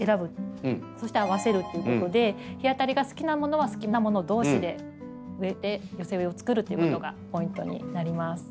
そして合わせるということで日当たりが好きなものは好きなもの同士で植えて寄せ植えをつくるということがポイントになります。